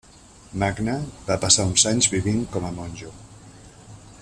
Magne va passar uns anys vivint com a monjo.